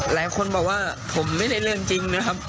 หลายคนบอกว่าผมไม่ได้เรื่องจริงนะครับ